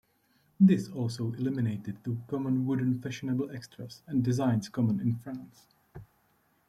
This also eliminated the common wooden fashionable extras and designs common in France.